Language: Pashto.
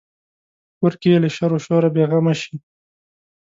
په کور کې یې له شر و شوره بې غمه شي.